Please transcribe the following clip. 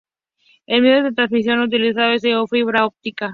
El medio de transmisión utilizado es de fibra óptica.